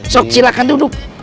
sok silahkan duduk